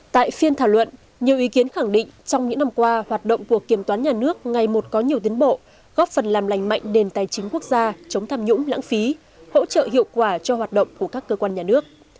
tại phiên thảo luận nhiều ý kiến khẳng định trong những năm qua hoạt động của kiểm toán nhà nước ngày một có nhiều tiến bộ góp phần làm lành mạnh nền tài chính quốc gia chống tham nhũng lãng phí hỗ trợ hiệu quả cho hoạt động của các cơ quan nhà nước